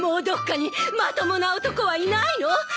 どっかにまともな男はいないの！？